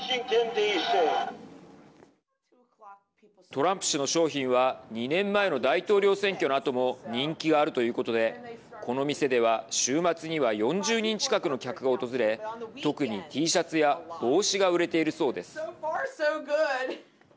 トランプ氏の商品は２年前の大統領選挙のあとも人気があるということでこの店では週末には４０人近くの客が訪れ特にＴシャツや帽子が売れているそうです。